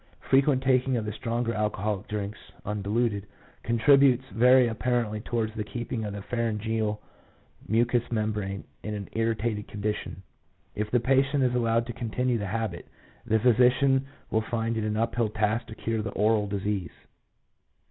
. frequent taking of the stronger alcoholic drinks (undiluted) contributes very appar ently towards keeping the pharyngeal mucous mem brane in an irritated condition. If the patient is allowed to continue the habit, the physician will find it an uphill task to cure the aural disease."